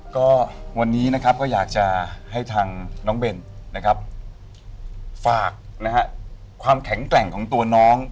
ก็วันนี้นะครับก็อยากจะให้ทางน้องเบนนะครับฝากนะฮะความแข็งแกร่งของตัวน้อง